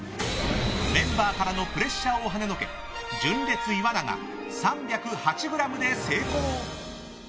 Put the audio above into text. メンバーからのプレッシャーをはねのけ純烈、岩永、３０８ｇで成功！